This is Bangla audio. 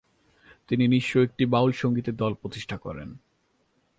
তিনি নিজস্ব একটি বাউল সঙ্গীতের দল প্রতিষ্ঠা করেন।